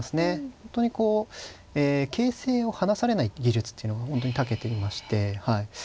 本当にこう形勢を離されない技術っていうのを本当にたけていましてはい。